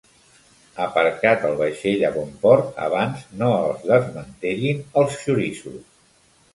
Aparcat el vaixell a bon port abans no el desmantellin els xoriços.